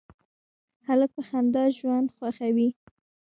هلک په خندا ژوند خوښوي.